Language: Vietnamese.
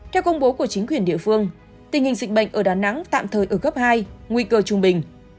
theo công bố của chính quyền địa phương tình hình dịch bệnh ở đà nẵng tạm thời ở cấp hai nguy cơ trung bình